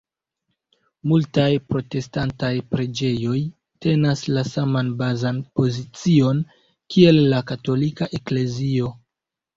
Multaj protestantaj preĝejoj tenas la saman bazan pozicion kiel la katolika eklezio.